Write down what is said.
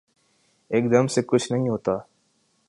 ایک دم سے کچھ نہیں ہوتا